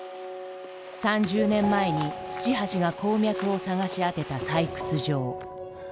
３０年前に土橋が鉱脈を探し当てた採掘場。